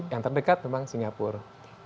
yang terdekat memang singapura